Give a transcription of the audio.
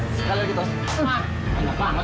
bikin bengkok semuanya